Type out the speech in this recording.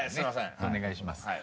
お願いします。